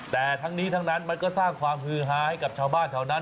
แต่ทั้งนี้ทั้งนั้นมันก็สร้างความฮือฮาให้กับชาวบ้านแถวนั้น